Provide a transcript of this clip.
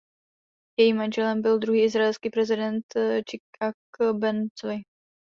Jejím manželem byl druhý izraelský prezident Jicchak Ben Cvi.